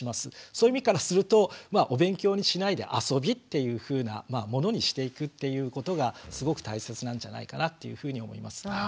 そういう意味からするとお勉強にしないで遊びっていうふうなものにしていくっていうことがすごく大切なんじゃないかなっていうふうに思います。